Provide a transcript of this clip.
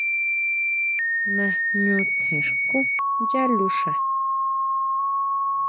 Ñajñu tjen skú yá luxa.